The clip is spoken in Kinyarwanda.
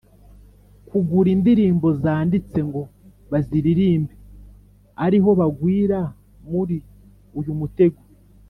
kugura indirimbo zanditse ngo baziririmbe ariho bagwira muri uyu mutego.